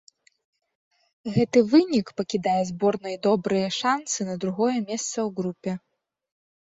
Гэты вынік пакідае зборнай добрыя шанцы на другое месца ў групе.